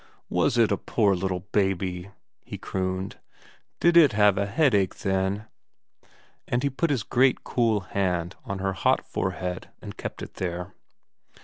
' Was it a poor little baby,' he crooned. ' Did it have a headache then ' And he put his great cool hand on her hot forehead and kept it there.